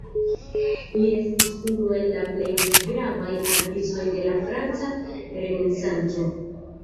Li estis unu el la plej gravaj artistoj de la franca Renesanco.